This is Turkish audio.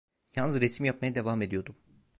Yalnız resim yapmaya devam ediyordum.